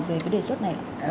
về cái đề xuất này